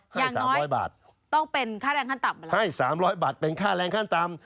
ให้๓๐๐บาทให้๓๐๐บาทเป็นค่าแรงขั้นต่ำ